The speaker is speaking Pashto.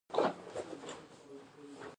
غریب د نورو خواخوږی غواړي